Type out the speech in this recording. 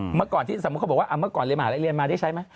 สมมุติเขาบอกว่าเมื่อก่อนเรียนมาแล้วเรียนมาได้ใช้ไหม